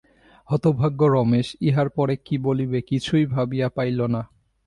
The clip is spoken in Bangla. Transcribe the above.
হতভাগ্য রমেশ ইহার পরে কী বলিবে, কিছুই ভাবিয়া পাইল না।